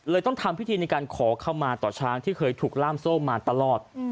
ต้องทำพิธีในการขอเข้ามาต่อช้างที่เคยถูกล่ามโซ่มาตลอด